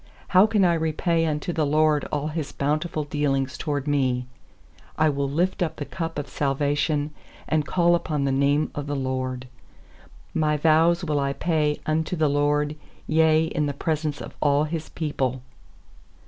12How can I repay unto the LORD All His bountiful dealings toward me? 860 PSALMS 118 20 13I will lift up the cup of salvation, And call upon the name of the LORD. 14My vows will I pay unto the LORD, Yea, in the presence of all His people.